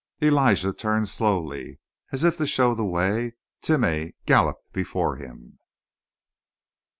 Elijah turned slowly away. As if to show the way, Timeh galloped before him.